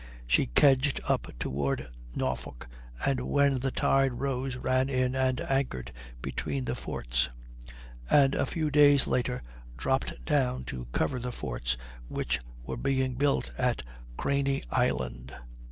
She kedged up toward Norfolk, and when the tide rose ran in and anchored between the forts; and a few days later dropped down to cover the forts which were being built at Craney Island.